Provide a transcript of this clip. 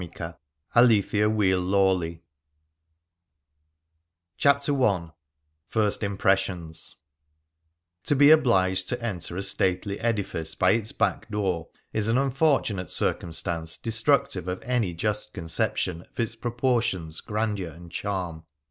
MARK XV Things Seen in Venice CHAPTER I PIRST IMPRESSIONS TO be obliged to enter a stately edifice by its back door is an unfortunate circum stance destructive of any just conception of its proportions, grandeur, and charm.